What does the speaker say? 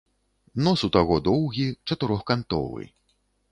Нос у таго доўгі, чатырохкантовы.